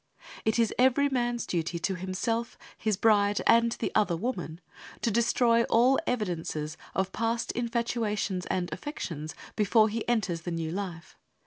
It is every man's duty to himself, his bride, and the other woman, to destroy all evidences of past infatuations and affections, before he enters the new life.